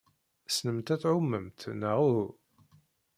Tessnemt ad tɛumemt, neɣ uhu?